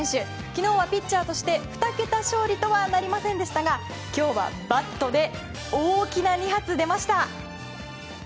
昨日はピッチャーとして２桁勝利とはなりませんでしたが今日はバットで大きな２発が出ました。